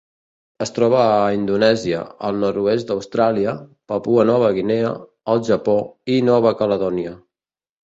Es troba a Indonèsia, el nord-oest d'Austràlia, Papua Nova Guinea, el Japó i Nova Caledònia.